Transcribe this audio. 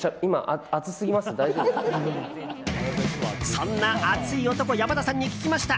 そんな熱い男山田さんに聞きました。